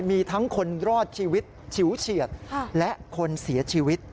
มีทั้งคนรอดชีวิตฉิวเฉียดและคนเสียชีวิต